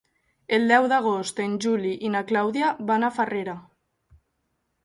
El deu d'agost en Juli i na Clàudia van a Farrera.